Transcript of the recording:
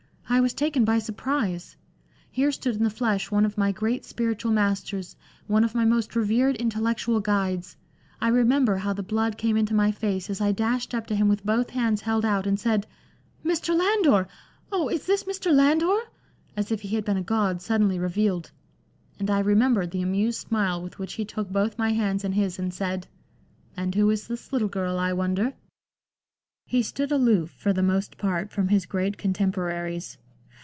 ... I was taken by surprise. Here stood in the flesh one of my great spiritual masters, one of my most revered intellectual guides. I remember how the blood came into my face as I dashed up to him with both hands held out, and said ' Mr. Landor 1 oh ! is this Mr. Landor ?' as if he had been a god suddenly revealed. And I remember the amused smile with which he took both my hands in his and said —' And who is this little girl, I wonder %'" He stood aloof for the most part from his great contem poraries.